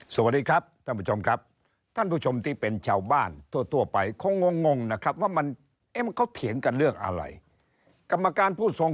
สวัสดีครับท่านผู้ชมครับท่านผู้ชมที่เป็นชาวบ้านทั่วไปคงงงนะครับว่ามันเอ๊ะมันเขาเถียงกันเรื่องอะไรกรรมการผู้ทรง